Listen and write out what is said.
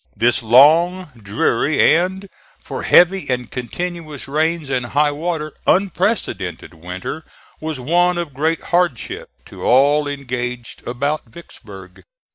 This long, dreary and, for heavy and continuous rains and high water, unprecedented winter was one of great hardship to all engaged about Vicksburg.